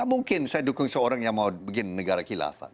gak mungkin saya dukung seorang yang mau bikin negara kilafan